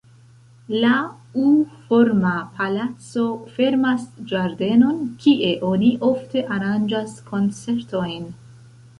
La U-forma palaco fermas ĝardenon, kie oni ofte aranĝas koncertojn.